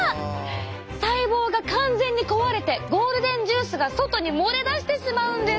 細胞が完全に壊れてゴールデンジュースが外に漏れ出してしまうんです。